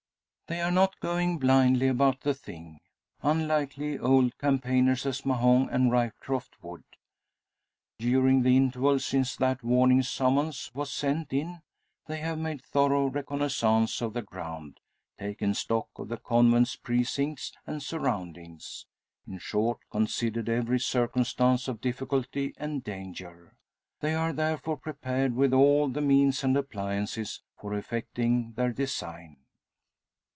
They are not going blindly about the thing. Unlikely old campaigners as Mahon and Ryecroft would. During the interval since that warning summons was sent in, they have made thorough reconnaissance of the ground, taken stock of the convent's precincts and surroundings; in short, considered every circumstance of difficulty and danger. They are therefore prepared with all the means and appliances for effecting their design.